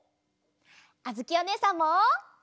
あづきおねえさんも！